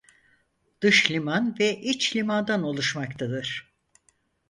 Dış liman ve iç limandan oluşmaktadır.